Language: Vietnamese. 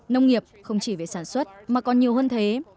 nông nghiệp không chỉ về sản xuất mà còn nhiều hơn thế